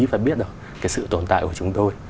và biết được cái sự tồn tại của chúng tôi